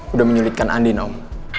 udah menyulitkan andi nom